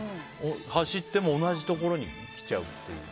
走っても同じところに来ちゃうっていう。